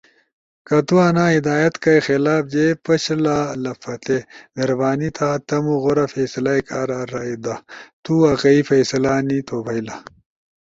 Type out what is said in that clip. کہ تو انا ہدایات کائی خلاف جے پشلا لپھاتی، مہربانی تھا تمو غورا فیصلہ ئی کارا رائے دا۔ تو واقعی فیصلہ نی تھو بئیلا،